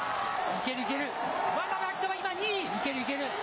いける、いける。